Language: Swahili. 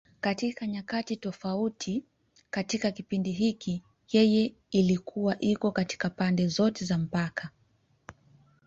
Katika nyakati tofauti katika kipindi hiki, yeye ilikuwa iko katika pande zote za mpaka.